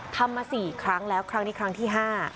ทำมา๔ครั้งแล้วครั้งนี้ครั้งที่๕